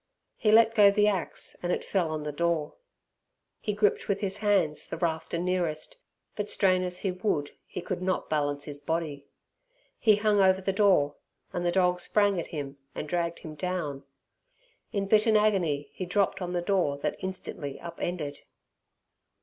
He let go the axe and it fell on the door. He gripped with his hand the rafter nearest, but strain as he would he could not balance his body. He hung over the door, and the dog sprang at him and dragged him down. In bitten agony, he dropped on the door that instantly up ended.